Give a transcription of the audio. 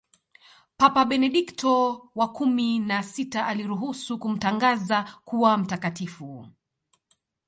Papa Benedikto wa kumi na sita aliruhusu kumtangaza kuwa mtakatifu